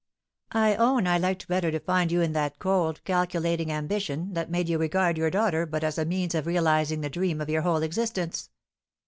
"I own I liked better to find in you that cold, calculating ambition, that made you regard your daughter but as a means of realising the dream of your whole existence."